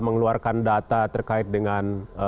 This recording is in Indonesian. mengeluarkan data terkait dengan